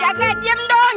saga diam dong